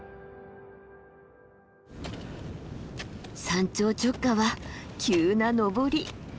山頂直下は急な登り。